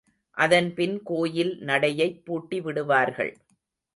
அதன் பின் கோயில் நடையைப் பூட்டிவிடுவார்கள்.